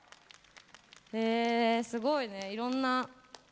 へえすごいねいろんな。